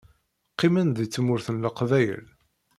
Qqimen deg Tmurt n Leqbayel.